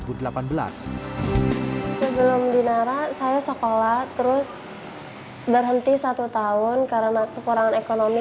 sebelum di nara saya sekolah terus berhenti satu tahun karena kekurangan ekonomi